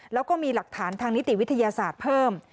แล้วก็มีหลักฐานทางนิติวิทยาศาสตร์เพิ่ม